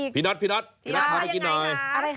พี่หนัดทานให้กินหน่อย